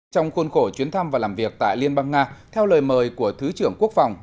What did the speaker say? trong khuôn khổ chuyến thăm và làm việc tại liên bang nga theo lời mời của thứ trưởng quốc phòng